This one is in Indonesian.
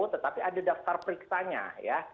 tetapi ada daftar periksanya ya